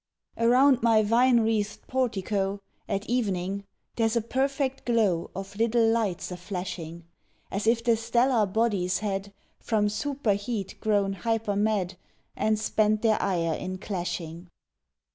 Around my vine wreathed portico, At evening, there's a perfect glow Of little lights a flashing As if the stellar bodies had From super heat grown hyper mad, And spend their ire in clashing.